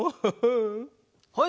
はい！